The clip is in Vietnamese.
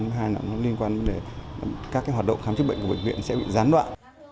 thứ hai là nó liên quan đến các hoạt động khám chức bệnh của bệnh viện sẽ bị gián đoạn